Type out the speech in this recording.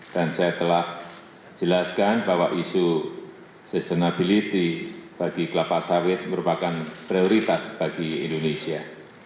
dan saya telah jelaskan bahwa isu sustainability bagi kelapa sawit merupakan prioritas bagi indonesia